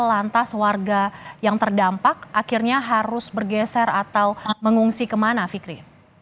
lantas warga yang terdampak akhirnya harus bergeser atau mengungsi kemana fikri